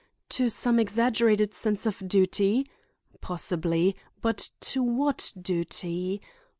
To some exaggerated sense of duty? Possibly; but to what duty?